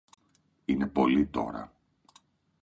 Είναι πολλοί τώρα.